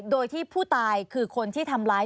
โดยที่ผู้ตายคือคนที่ทำร้าย